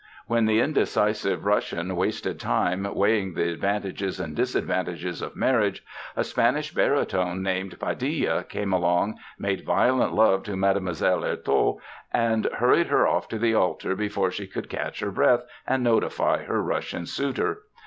While the indecisive Russian wasted time weighing the advantages and disadvantages of marriage, a Spanish baritone named Padilla came along, made violent love to Mlle. Artôt, and hurried her off to the altar before she could catch her breath and notify her Russian suitor.